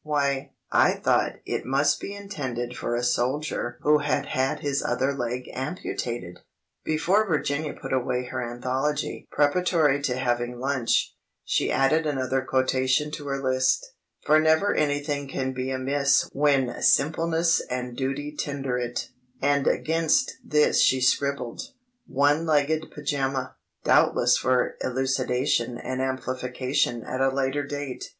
"Why, I thought it must be intended for a soldier who had had his other leg amputated!" Before Virginia put away her "Anthology," preparatory to having lunch, she added another quotation to her list— "For never anything can be amiss When simpleness and duty tender it," and against this she scribbled, "one legged pyjamas"—doubtless for elucidation and amplification at a later date.